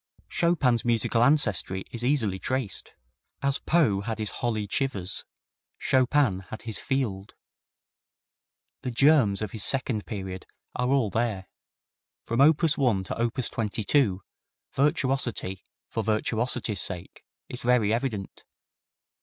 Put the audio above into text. Chopin's musical ancestry is easily traced; as Poe had his Holley Chivers, Chopin had his Field. The germs of his second period are all there; from op. 1 to opus 22 virtuosity for virtuosity's sake is very evident.